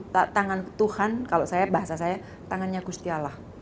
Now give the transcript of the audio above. tangan tuhan kalau saya bahasa saya tangannya gusti allah